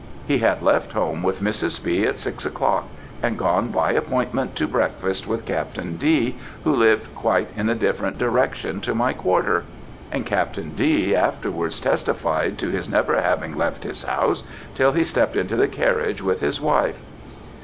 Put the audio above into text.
He had left home with Mrs. B. at six o'clock, and gone by appointment to breakfast with Captain D., who lived quite in a different direction to my quarter; and Captain D. afterwards testified to his never having left his house till he stept into the carriage with his wife.